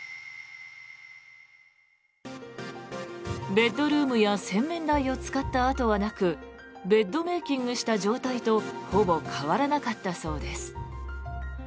ベッドルームや洗面台を使った跡はなくベッドメイキングした状態とほぼ変わらなかったそうです。